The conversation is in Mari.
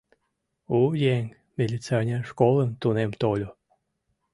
У еҥ, милиционер школым тунем тольо.